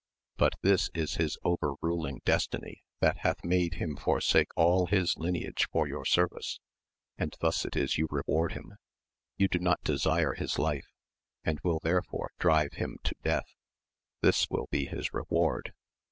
But this is his over ruling destiny that hath made him forsake all his lineage for your service, and thus it is you reward him ; you do not desire his life, and will therefore drive him to death. This will be his reward